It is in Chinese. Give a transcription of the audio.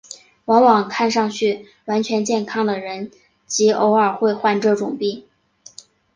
往往看上去完全健康的人极偶尔会患这种病。